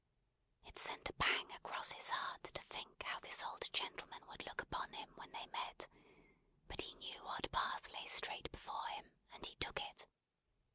It sent a pang across his heart to think how this old gentleman would look upon him when they met; but he knew what path lay straight before him, and he took it.